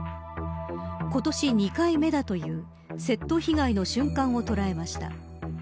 今年２回目だという窃盗被害の瞬間を捉えました。